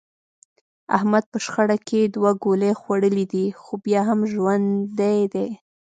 احمد په شخړه کې دوه ګولۍ خوړلې دي، خو بیا هم ژوندی دی.